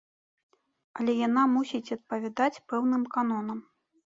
Але яна мусіць адпавядаць пэўным канонам.